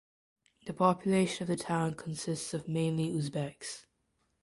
The population of the town consists of mainly Uzbeks.